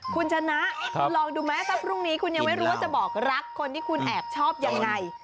คุณชนะลองดูไหมสักพรุ่งนี้คุณยังไม่รู้ว่าจะบอกรักคนที่คุณแอบชอบยังไง